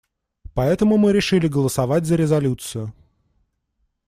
Поэтому мы решили голосовать за резолюцию.